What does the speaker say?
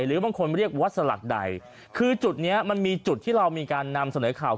หรือบางคนเรียกวัดสลักใดคือจุดเนี้ยมันมีจุดที่เรามีการนำเสนอข่าว